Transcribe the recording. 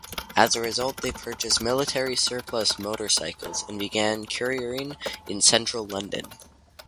As a result, they purchased military surplus motorcycles, and began couriering in central London.